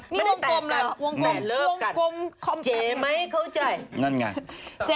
ไม่ได้ทะเลาะกันไม่ได้แตกกันแต่เลิกกันนี่วงกลมเหรอ